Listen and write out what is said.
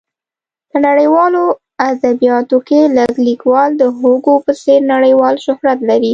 په نړیوالو ادبیاتو کې لږ لیکوال د هوګو په څېر نړیوال شهرت لري.